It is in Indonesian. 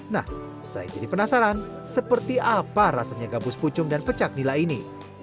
nah saya jadi penasaran seperti apa rasanya gabus pucung dan pecak nila ini